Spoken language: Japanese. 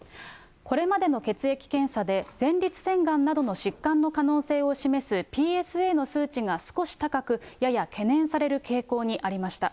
これまでの血液検査で前立腺がんなどの疾患の可能性を示すＰＳＡの数値が少し高く、やや懸念される傾向にありました。